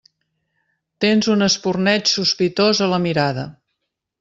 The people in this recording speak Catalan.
Tens un espurneig sospitós a la mirada.